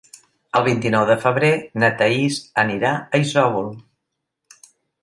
El vint-i-nou de febrer na Thaís anirà a Isòvol.